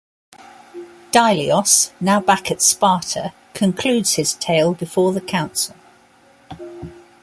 Dilios, now back at Sparta, concludes his tale before the Council.